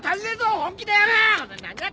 本気でやれ！